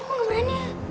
emang gak berani ya